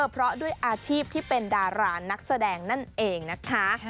เพราะด้วยอาชีพที่เป็นดารานักแสดงนั่นเองนะคะ